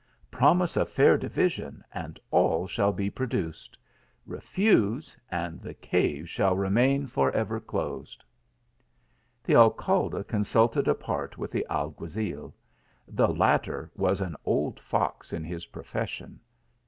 Promise a fair division, and all shall be produced ; refuse, and the cave shall remain lor ever closed. 1 The Alcalde consumed apart with the alguazil. 178 THE ALHAMBRA. The latter was an old iox in his profession.